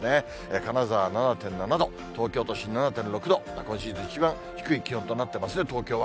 金沢７．７度、東京都心７．６度、今シーズン一番低い気温となってますね、東京は。